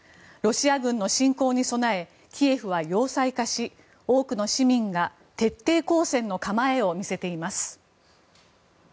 ロシア軍の侵攻に備えキエフは要塞化し多くの市民が徹底抗戦の構えを見せています。